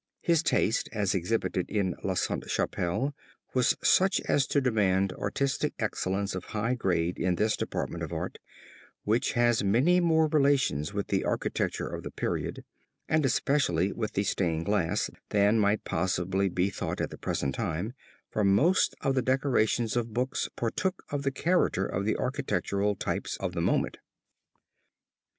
His taste as exhibited in La Sainte Chapelle was such as to demand artistic excellence of high grade in this department of art, which has many more relations with the architecture of the period, and especially with the stained glass, than might possibly be thought at the present time, for most of the decoration of books partook of the character of the architectural types of the moment.